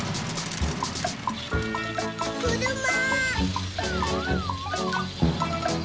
くるま。